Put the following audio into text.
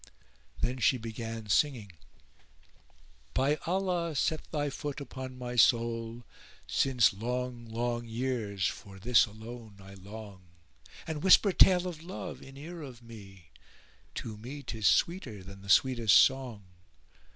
Then she began singing:— "By Allah, set thy foot upon my soul; * Since long, long years for this alone I long: And whisper tale of love in ear of me; * To me 'tis sweeter than the sweetest song!